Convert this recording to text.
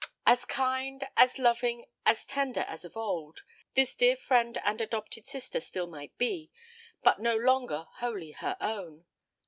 As kind, as loving, as tender as of old, this dear friend and adopted sister still might be, but no longer wholly her own.